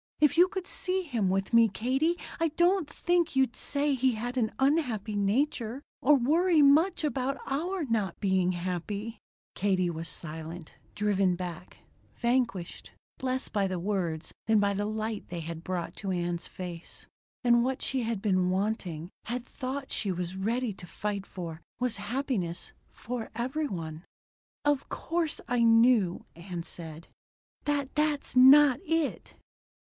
If you could see him with me, Katie, I don't think you'd say he had an unhappy nature or worry much about our not being happy." Katie was silent, driven back; vanquished, less by the words than by the light they had brought to Ann's face. And what she had been wanting had thought she was ready to fight for was happiness for every one. "Of course I know," Ann said, "that that's not it."